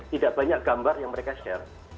tidak banyak gambar yang mereka share